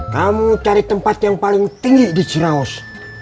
kamu cari tempat yang paling tinggi di jeraus